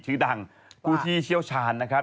ชื่อดังผู้ที่เชี่ยวชาญนะครับ